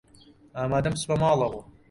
ئامادەم بچمە ماڵەوە.